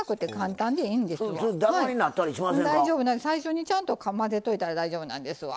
最初にちゃんと混ぜといたら大丈夫なんですわ。